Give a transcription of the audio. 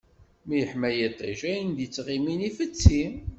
Mi yeḥma yiṭij, ayen i d-ittɣimin ifetti.